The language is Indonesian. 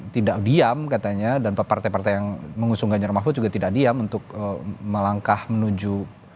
tidak diam katanya dan partai partai yang mengusung ganjar mahfud juga tidak diam untuk melangkah menuju